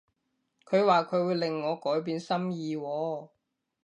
佢話佢會令我改變心意喎